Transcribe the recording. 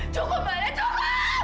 cukup balik cukup